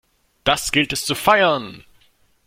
Das gilt es zu feiern!